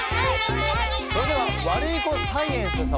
それではワルイコサイエンス様。